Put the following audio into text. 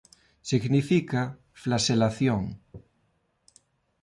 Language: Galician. Significa «flaxelación».